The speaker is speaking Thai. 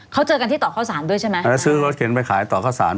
เขาเจอกันที่ต่อข้าวสารด้วยใช่ไหมเออซื้อรถเข็นไปขายต่อข้าวสาร